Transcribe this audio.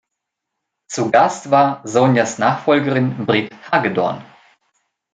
Zu Gast war Sonjas Nachfolgerin Britt Hagedorn.